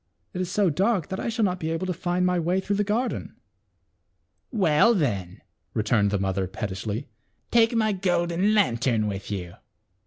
It is so dark that I shall not be able to find my way through the garden." " Well, then," returned the mother pettishly, "take my golden lantern with you."